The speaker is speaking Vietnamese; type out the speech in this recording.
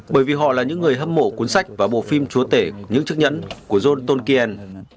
bởi vì họ là những người hâm mộ cuốn sách và bộ phim chúa tể những chiếc nhẫn của john tonkien